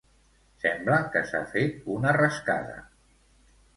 Sembla que s'ha fet una rascada.